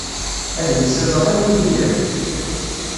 Adlis-a ẓriɣ wi t-ilan.